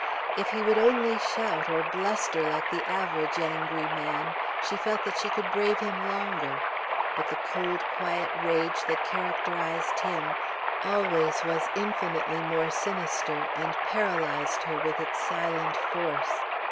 If he would only shout or bluster like the average angry man she felt that she could brave him longer, but the cold quiet rage that characterised him always was infinitely more sinister, and paralysed her with its silent force.